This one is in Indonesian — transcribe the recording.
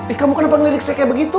eh kamu kenapa ngelirik saya kayak begitu